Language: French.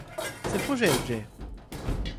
C'est le projet Jay.